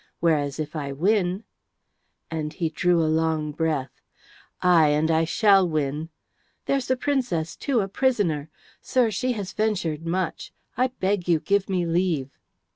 Whereas, if I win " and he drew a long breath. "Aye, and I shall win! There's the Princess, too, a prisoner. Sir, she has ventured much. I beg you give me leave."